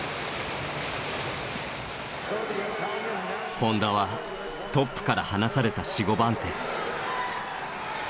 本多はトップから離された４５番手。